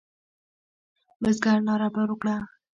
بزګر ناره پر وکړه.